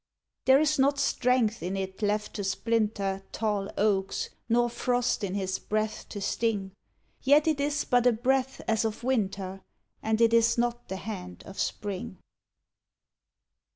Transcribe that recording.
There is not strength in it left to splinter Tall oaks, nor frost in his breath to sting: Yet it is but a breath as of winter, And it is not the hand of spring.